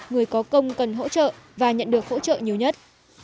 người có công cần hỗ trợ và nhận được hỗ trợ nhiều nhất